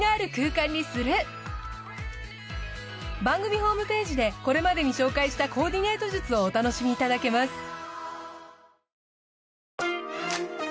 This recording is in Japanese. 番組ホームページでこれまでに紹介したコーディネート術をお楽しみいただけます。